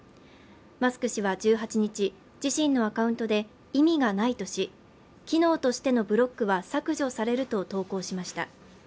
マスク氏は１８日、自身のアカウントで意味がないとし機能としてのブロックは削除されると投稿しました。